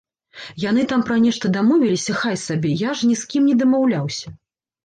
Яны там пра нешта дамовіліся, хай сабе, я ж ні з кім не дамаўляўся.